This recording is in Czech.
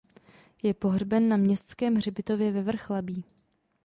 Je pohřben na Městském hřbitově ve Vrchlabí.